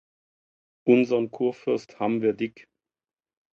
Unsern Kurfürst ham’ wir dick.